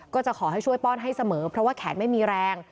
ก็จะขอให้ช่วยป้อนให้เสมอเพราะว่าแขนไม่มีแรง